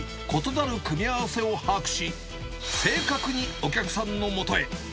こ１皿ごとに異なる組み合わせを把握し、正確にお客さんのもとへ。